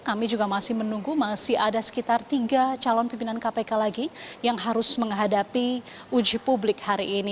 kami juga masih menunggu masih ada sekitar tiga calon pimpinan kpk lagi yang harus menghadapi uji publik hari ini